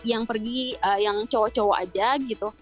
yang pergi yang cowok cowok aja gitu